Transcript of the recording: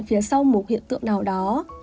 phía sau một hiện tượng nào đó